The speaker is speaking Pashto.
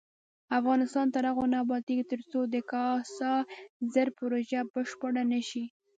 افغانستان تر هغو نه ابادیږي، ترڅو د کاسا زر پروژه بشپړه نشي.